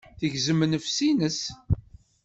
Tegzem nnefs-nnes.